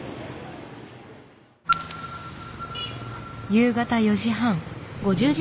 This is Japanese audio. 夕方４時半。